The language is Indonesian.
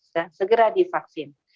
dan segera divaksin